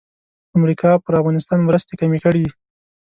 امریکا پر افغانستان مرستې کمې کړې.